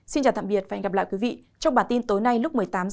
xin chào tạm biệt và hẹn gặp lại quý vị trong bản tin tối nay lúc một mươi tám h